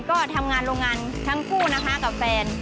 ก็ทำงานโรงงานทั้งผู้กับแฟน